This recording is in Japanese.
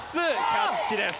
キャッチです。